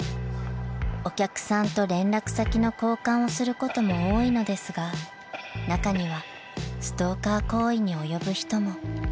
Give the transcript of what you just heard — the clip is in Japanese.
［お客さんと連絡先の交換をすることも多いのですが中にはストーカー行為に及ぶ人も］